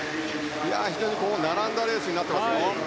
非常に並んだレースになっていますよ。